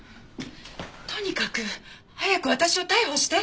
とにかく早く私を逮捕して。